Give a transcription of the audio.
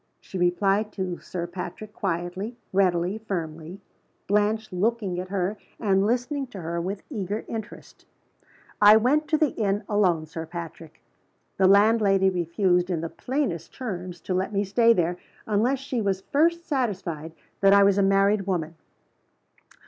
She replied to Sir Patrick quietly, readily, firmly Blanche looking at her, and listening to her with eager interest. "I went to the inn alone, Sir Patrick. The landlady refused, in the plainest terms, to let me stay there, unless she was first satisfied that I was a married woman."